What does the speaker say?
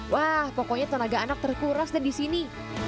wah pokoknya tenaga anak terkuras dan di sini